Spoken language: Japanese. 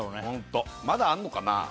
ホントまだあんのかな？